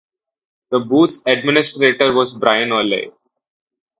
The Booth's administrator was Bryan Oley.